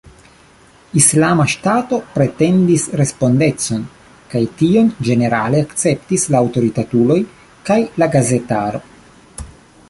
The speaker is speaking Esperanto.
Islama Ŝtato pretendis respondecon, kaj tion ĝenerale akceptis la aŭtoritatuloj kaj la gazetaro.